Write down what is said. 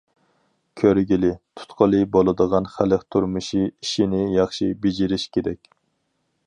كۆرگىلى، تۇتقىلى بولىدىغان خەلق تۇرمۇشى ئىشىنى ياخشى بېجىرىش كېرەك.